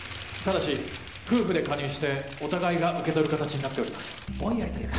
ただし夫婦で加入してお互いが受け取る形になっております。